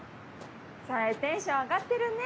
紗江テンション上がってるね。